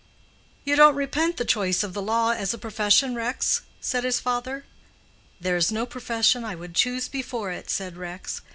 "You don't repent the choice of the law as a profession, Rex?" said his father. "There is no profession I would choose before it," said Rex.